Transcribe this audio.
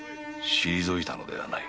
退いたのではない。